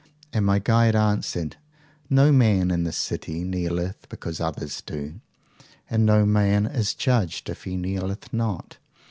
And my guide answered, No man in this city kneeleth because others do, and no man is judged if he kneeleth not.